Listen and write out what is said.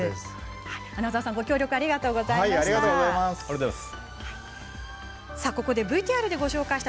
穴澤さん、ご協力ありがとうございました。